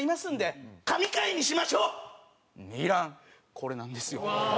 これなんですよね。